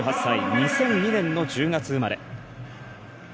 ２００２年の１０月生まれ。